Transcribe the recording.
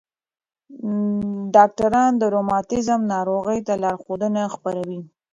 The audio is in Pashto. ډاکټران د روماتیزم ناروغۍ ته لارښود نه خپروي.